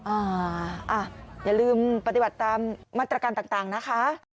อ่าอ่ะอย่าลืมปฏิบัติตามมาตรการต่างต่างนะคะ